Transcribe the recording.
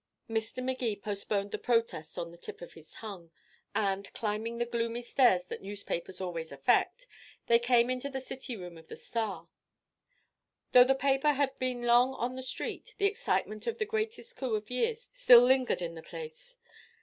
Mr. Magee postponed the protest on the tip of his tongue, and, climbing the gloomy stairs that newspapers always affect, they came into the city room of the Star. Though the paper had been long on the street, the excitement of the greatest coup of years still lingered in the place.